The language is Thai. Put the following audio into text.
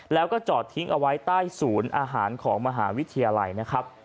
แล้วก็จอดทิ้งเอาไว้ใต้ศูนย์อาหารของมหาวิทยาลัยนะครับ